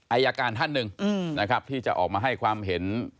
อายการท่านหนึ่งนะครับที่จะออกมาให้ความเห็น